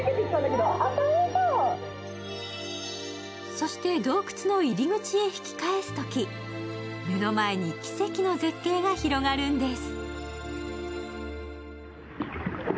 そして洞窟の入り口へ引き返すとき、目の前に奇跡の絶景が広がるんです。